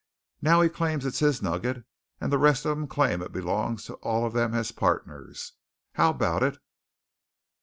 Now he claims it's his nugget, and the rest of 'em claim it belongs to all of them as partners. How about it?"